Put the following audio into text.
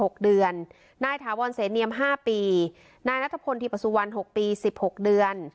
นายถาวรเสนียมห้าปีนายนัทพลทีประสุวรรณหกปีสิบหกเดือน